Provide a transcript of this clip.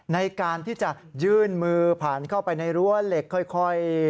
ในการที่จะยื่นมือผ่านเข้าไปในรั้วเหล็กค่อย